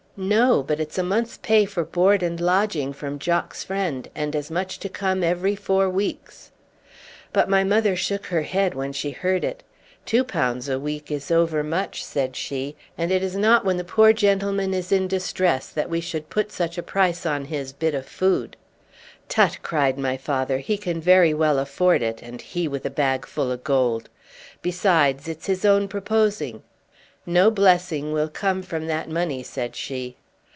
"No, but it's a month's pay for board and lodging from Jock's friend, and as much to come every four weeks." But my mother shook her head when she heard it. "Two pounds a week is over much," said she; "and it is not when the poor gentleman is in distress that we should put such a price on his bit food." "Tut!" cried my father, "he can very well afford it, and he with a bag full of gold. Besides, it's his own proposing." "No blessing will come from that money," said she.